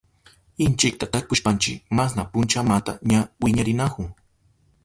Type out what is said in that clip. Inchikta tarpushpanchi masna punchamanta ña wiñarinahun.